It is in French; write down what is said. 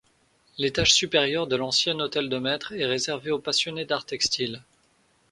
L'étage supérieur de l'ancien hôtel de maître est réservé aux passionnés d'art textile.